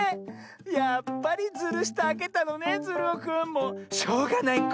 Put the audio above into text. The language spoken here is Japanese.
やっぱりズルしてあけたのねズルオくんもうしょうがないこ。